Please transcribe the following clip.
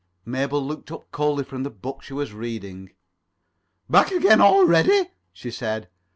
Mabel looked up coldly from the book she was reading. "Back again already?" she said.